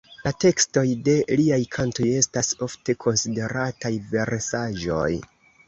La tekstoj de liaj kantoj estas ofte konsiderataj versaĵoj.